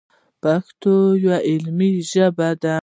پښتو یوه علمي ژبه ده.